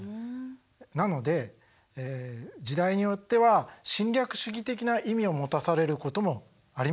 なので時代によっては侵略主義的な意味を持たされることもありました。